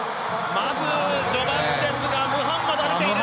まず序盤ですがムハンマドが出ている。